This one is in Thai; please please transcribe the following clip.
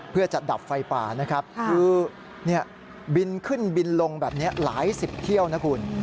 เพื่อจะดับไฟป่านะครับคือบินขึ้นบินลงแบบนี้หลายสิบเที่ยวนะคุณ